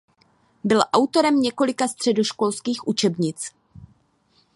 Byl autorem několika středoškolských učebnic.